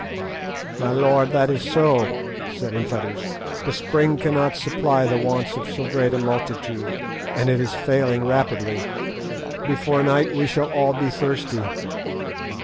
"My lord, that is so," said Infadoos; "the spring cannot supply the wants of so great a multitude, and it is failing rapidly. Before night we shall all be thirsty.